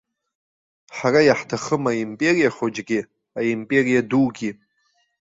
Ҳара иаҳҭахым аимпериа хәыҷгьы, аимпериа дугьы.